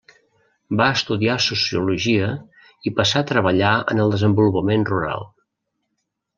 Va estudiar sociologia i passà a treballar en el desenvolupament rural.